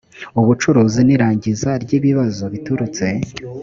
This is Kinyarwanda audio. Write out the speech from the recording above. ubucuruzi n irangiza ry ibibazo biturutse